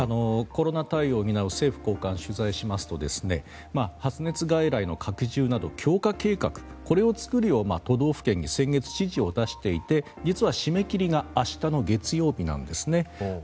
コロナ対応を担う政府高官を取材しますと発熱外来の拡充など強化計画これを作るように都道府県に先月、指示を出していて実は締め切りが明日の月曜日なんですね。